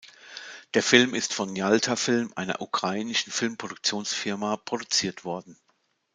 Der Film ist von Yalta-Film, einer ukrainischen Filmproduktionsfirma, produziert worden.